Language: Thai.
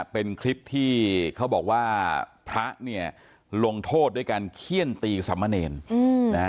เป็นคลิปที่เขาบอกว่าพระเนี่ยลงโทษด้วยการเขี้ยนตีสามเณรนะฮะ